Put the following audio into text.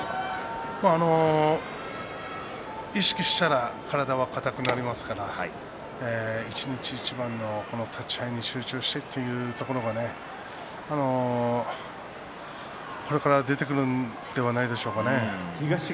意識したら体が硬くなりますから一日一番立ち合いに集中してというところがこれから出てくるんではないでしょうか。